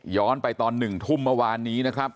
ไปตอน๑ทุ่มเมื่อวานนี้นะครับ